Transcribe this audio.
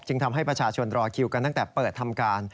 ทำให้ประชาชนรอคิวกันตั้งแต่เปิดทำการ